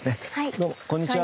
どうもこんにちは。